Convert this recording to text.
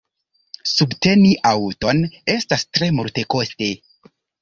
Subteni aŭton estas tre multekoste.